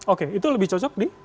oke itu lebih cocok di